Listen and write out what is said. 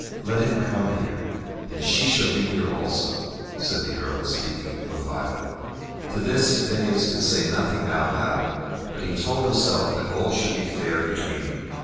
"Let him come here, and she shall be here also," said the Earl, speaking of Violet. To this Phineas could say nothing out loud, but he told himself that all should be fair between them.